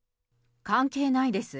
関係ないです。